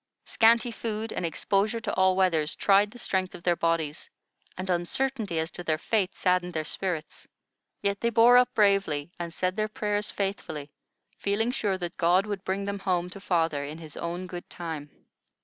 Scanty food and exposure to all weathers tried the strength of their bodies, and uncertainty as to their fate saddened their spirits; yet they bore up bravely, and said their prayers faithfully, feeling sure that God would bring them home to father in His own good time.